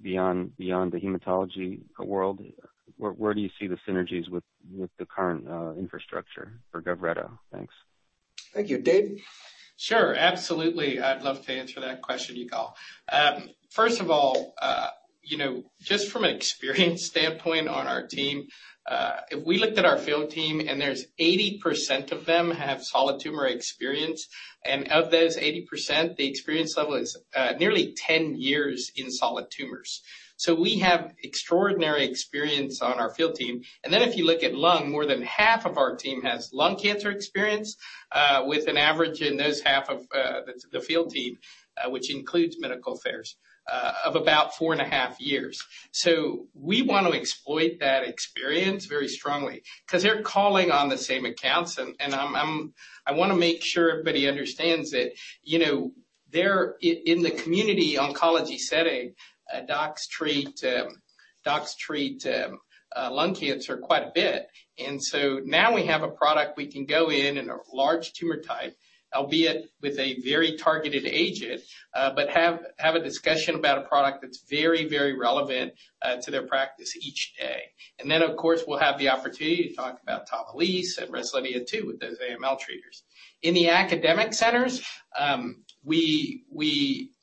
beyond the hematology world? Where do you see the synergies with the current infrastructure for GAVRETO? Thanks. Thank you. Dave? Sure. Absolutely. I'd love to answer that question, Yigal. First of all, just from an experience standpoint on our team, if we looked at our field team and there's 80% of them have solid tumor experience, and of those 80%, the experience level is nearly 10 years in solid tumors. So we have extraordinary experience on our field team. And then if you look at lung, more than half of our team has lung cancer experience, with an average in those half of the field team, which includes medical affairs, of about 4.5 years. So we want to exploit that experience very strongly because they're calling on the same accounts. And I want to make sure everybody understands that in the community oncology setting, docs treat lung cancer quite a bit. So now we have a product we can go in in a large tumor type, albeit with a very targeted agent, but have a discussion about a product that's very, very relevant to their practice each day. And then, of course, we'll have the opportunity to talk about TAVALISSE and REZLIDHIA too with those AML treaters. In the academic centers, we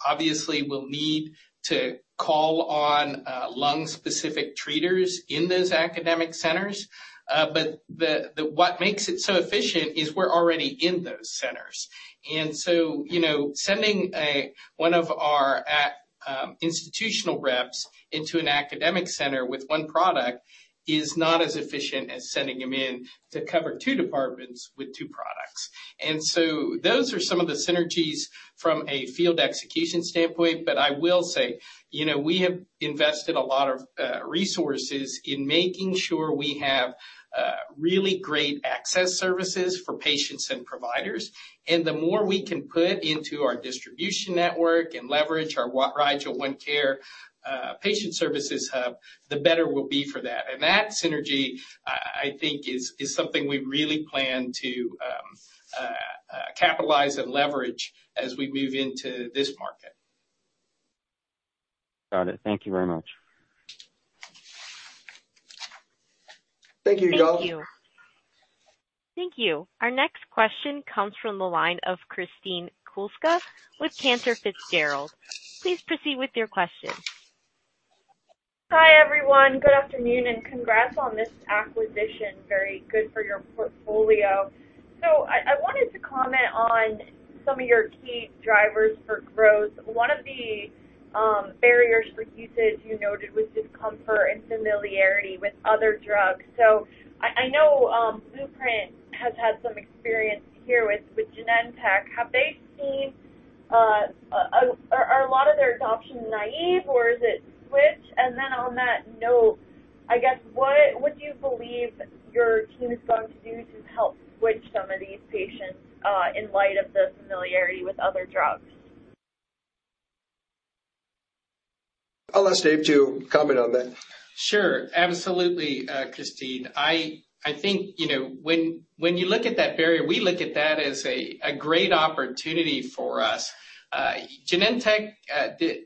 obviously will need to call on lung-specific treaters in those academic centers. But what makes it so efficient is we're already in those centers. And so sending one of our institutional reps into an academic center with one product is not as efficient as sending them in to cover two departments with two products. And so those are some of the synergies from a field execution standpoint. But I will say we have invested a lot of resources in making sure we have really great access services for patients and providers. And the more we can put into our distribution network and leverage our RIGEL ONECARE patient services hub, the better we'll be for that. And that synergy, I think, is something we really plan to capitalize and leverage as we move into this market. Got it. Thank you very much. Thank you, Yigal. Thank you. Our next question comes from the line of Kristen Kluska with Cantor Fitzgerald. Please proceed with your question. Hi, everyone. Good afternoon and congrats on this acquisition. Very good for your portfolio. So I wanted to comment on some of your key drivers for growth. One of the barriers for usage you noted was discomfort and familiarity with other drugs. So I know Blueprint has had some experience here with Genentech. Have they seen a lot of their adoptions naive, or is it switch? And then on that note, I guess, what do you believe your team is going to do to help switch some of these patients in light of the familiarity with other drugs? I'll ask Dave to comment on that. Sure. Absolutely, Kristen. I think when you look at that barrier, we look at that as a great opportunity for us. Genentech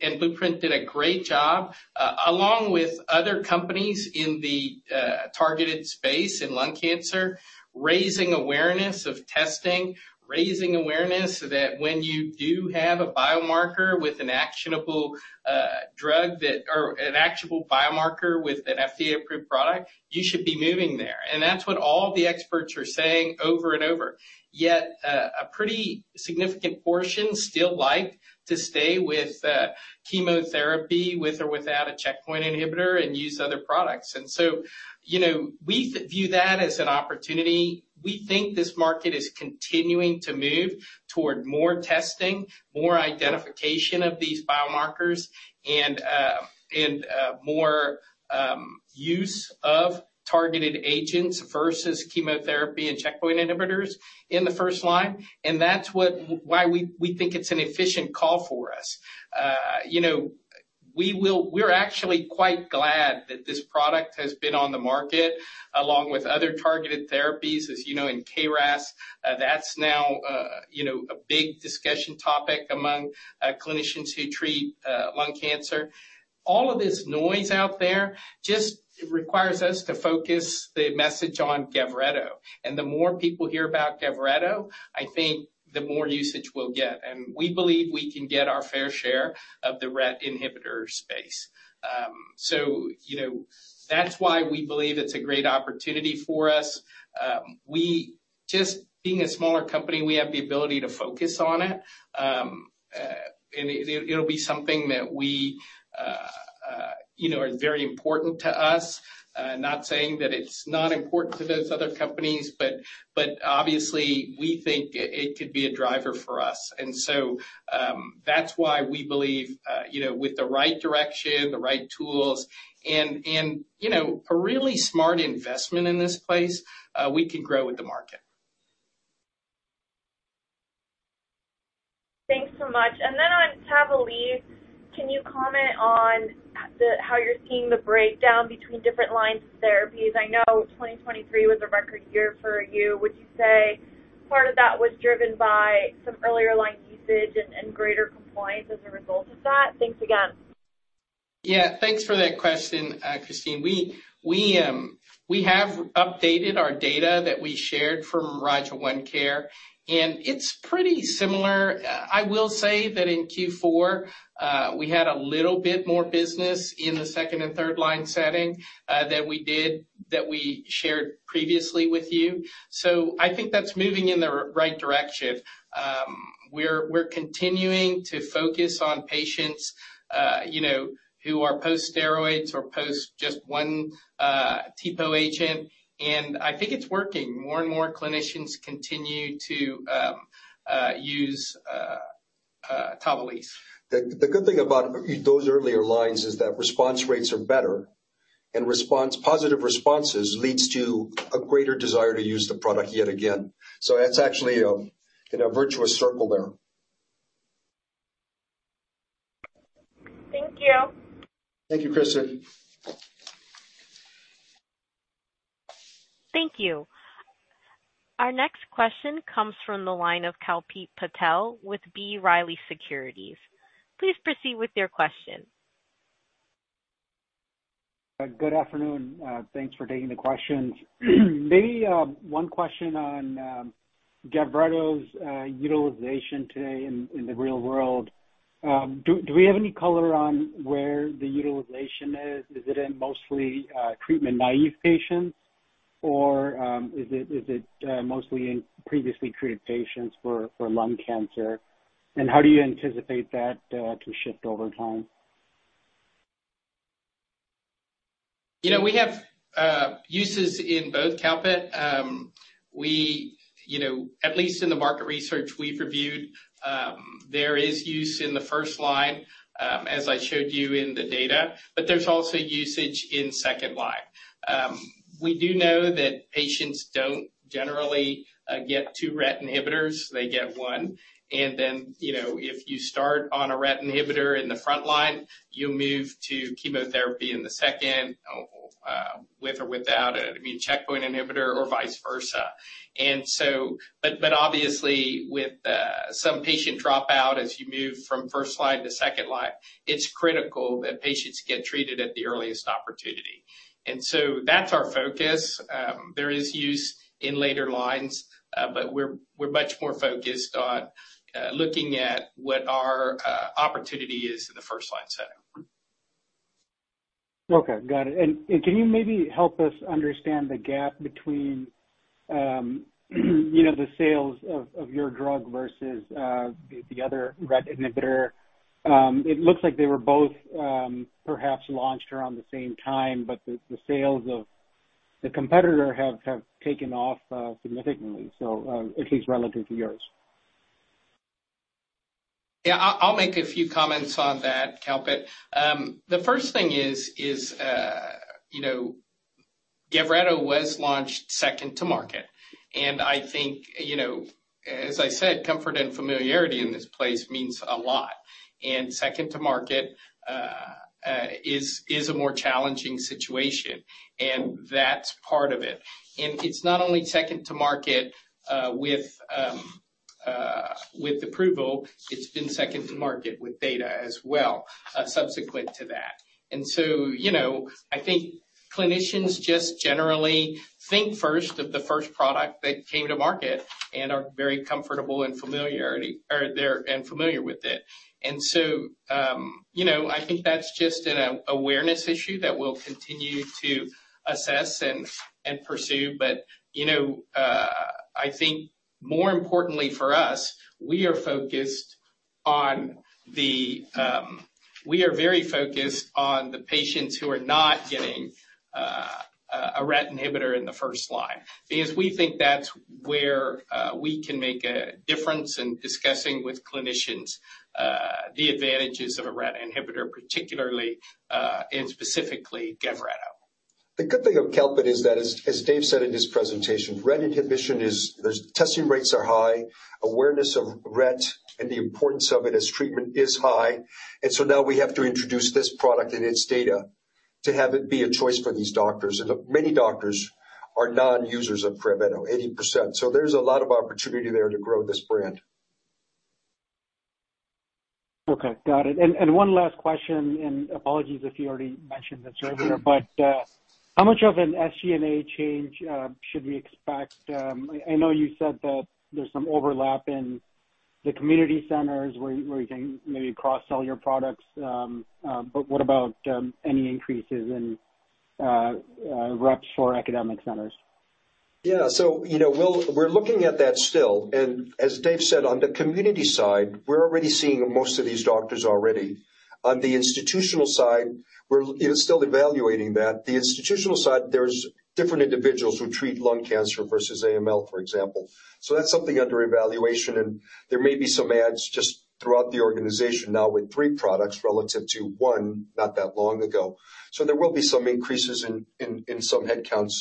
and Blueprint did a great job, along with other companies in the targeted space in lung cancer, raising awareness of testing, raising awareness that when you do have a biomarker with an actionable drug or an actionable biomarker with an FDA-approved product, you should be moving there. And that's what all the experts are saying over and over. Yet a pretty significant portion still like to stay with chemotherapy with or without a checkpoint inhibitor and use other products. And so we view that as an opportunity. We think this market is continuing to move toward more testing, more identification of these biomarkers, and more use of targeted agents versus chemotherapy and checkpoint inhibitors in the first line. That's why we think it's an efficient call for us. We're actually quite glad that this product has been on the market along with other targeted therapies. As you know, in K-RAS, that's now a big discussion topic among clinicians who treat lung cancer. All of this noise out there just requires us to focus the message on GAVRETO. And the more people hear about GAVRETO, I think the more usage we'll get. And we believe we can get our fair share of the RET inhibitor space. So that's why we believe it's a great opportunity for us. Just being a smaller company, we have the ability to focus on it. And it'll be something that is very important to us. Not saying that it's not important to those other companies, but obviously, we think it could be a driver for us. That's why we believe with the right direction, the right tools, and a really smart investment in this place, we can grow with the market. Thanks so much. Then on TAVALISSE, can you comment on how you're seeing the breakdown between different lines of therapies? I know 2023 was a record year for you. Would you say part of that was driven by some earlier line usage and greater compliance as a result of that? Thanks again. Yeah. Thanks for that question, Kristen. We have updated our data that we shared from RIGEL ONECARE, and it's pretty similar. I will say that in Q4, we had a little bit more business in the second and third line setting than we shared previously with you. So I think that's moving in the right direction. We're continuing to focus on patients who are post-steroids or post just one TPO agent. And I think it's working. More and more clinicians continue to use TAVALISSE. The good thing about those earlier lines is that response rates are better, and positive responses lead to a greater desire to use the product yet again. So that's actually in a virtuous circle there. Thank you. Thank you, Kristen. Thank you. Our next question comes from the line of Kalpit Patel with B. Riley Securities. Please proceed with your question. Good afternoon. Thanks for taking the questions. Maybe one question on GAVRETO's utilization today in the real world. Do we have any color on where the utilization is? Is it in mostly treatment-naive patients, or is it mostly in previously treated patients for lung cancer? And how do you anticipate that to shift over time? We have uses in both, Kalpit. At least in the market research we've reviewed, there is use in the first line, as I showed you in the data, but there's also usage in second line. We do know that patients don't generally get two RET inhibitors. They get one. And then if you start on a RET inhibitor in the front line, you'll move to chemotherapy in the second with or without an immune checkpoint inhibitor or vice versa. But obviously, with some patient dropout as you move from first line to second line, it's critical that patients get treated at the earliest opportunity. And so that's our focus. There is use in later lines, but we're much more focused on looking at what our opportunity is in the first line setting. Okay. Got it. And can you maybe help us understand the gap between the sales of your drug versus the other RET inhibitor? It looks like they were both perhaps launched around the same time, but the sales of the competitor have taken off significantly, at least relative to yours. Yeah. I'll make a few comments on that, Kalpit. The first thing is GAVRETO was launched second to market. And I think, as I said, comfort and familiarity in this place means a lot. And second to market is a more challenging situation, and that's part of it. And it's not only second to market with approval. It's been second to market with data as well subsequent to that. And so I think clinicians just generally think first of the first product that came to market and are very comfortable and familiar with it. And so I think that's just an awareness issue that we'll continue to assess and pursue. But I think more importantly for us, we are very focused on the patients who are not getting a RET inhibitor in the first line because we think that's where we can make a difference in discussing with clinicians the advantages of a RET inhibitor, particularly and specifically GAVRETO. The good thing of GAVRETO is that, as Dave said in his presentation, RET inhibition is testing rates are high, awareness of RET and the importance of it as treatment is high. Many doctors are non-users of GAVRETO, 80%. There's a lot of opportunity there to grow this brand. Okay. Got it. And one last question, and apologies if you already mentioned this earlier, but how much of an SG&A change should we expect? I know you said that there's some overlap in the community centers where you can maybe cross-sell your products. But what about any increases in reps for academic centers? Yeah. So we're looking at that still. And as Dave said, on the community side, we're already seeing most of these doctors already. On the institutional side, we're still evaluating that. The institutional side, there's different individuals who treat lung cancer versus AML, for example. So that's something under evaluation. And there may be some adds just throughout the organization now with three products relative to one not that long ago. So there will be some increases in some headcounts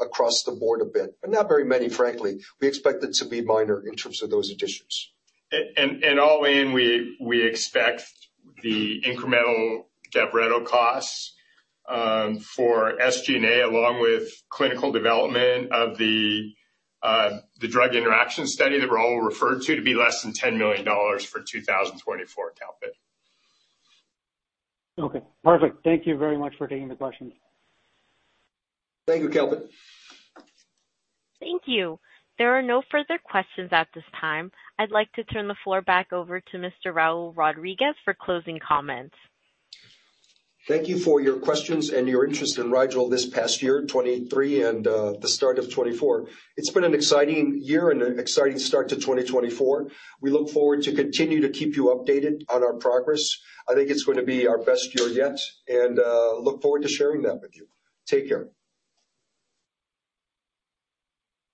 across the board a bit, but not very many, frankly. We expect it to be minor in terms of those additions. And all in, we expect the incremental GAVRETO costs for SG&A, along with clinical development of the drug interaction study that we're all referred to be less than $10 million for 2024, Kalpit. Okay. Perfect. Thank you very much for taking the questions. Thank you, Kalpit. Thank you. There are no further questions at this time. I'd like to turn the floor back over to Mr. Raul Rodriguez for closing comments. Thank you for your questions and your interest in Rigel this past year, 2023, and the start of 2024. It's been an exciting year and an exciting start to 2024. We look forward to continue to keep you updated on our progress. I think it's going to be our best year yet and look forward to sharing that with you. Take care.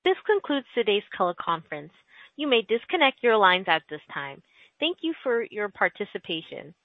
This concludes today's teleconference. You may disconnect your lines at this time. Thank you for your participation.